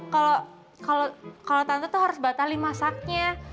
kalau kalau kalau tante tuh harus batalin masaknya